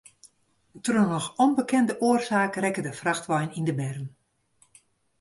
Troch noch ûnbekende oarsaak rekke de frachtwein yn de berm.